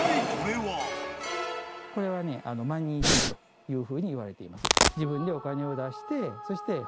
これはねマニ石というふうに言われています。